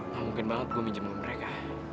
gak mungkin banget gue minjemur mereka